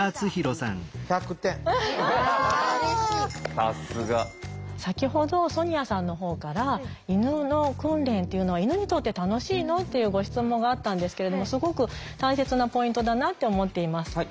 さすが。先ほどソニアさんのほうから「犬の訓練というのは犬にとって楽しいの？」っていうご質問があったんですけれどもすごく大切なポイントだなって思っています。